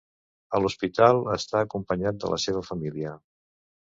A l’hospital està acompanyat de la seva família.